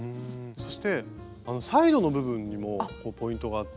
そしてサイドの部分にもポイントがあって。